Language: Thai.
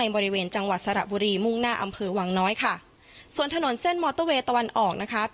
บริเวณจังหวัดสระบุรีมุ่งหน้าอำเภอวังน้อยค่ะส่วนถนนเส้นมอเตอร์เวย์ตะวันออกนะคะ